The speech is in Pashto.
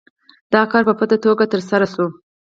دا کار په پټه توګه ترسره شو.